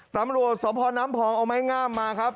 ตำรวจสพน้ำพองเอาไม้งามมาครับ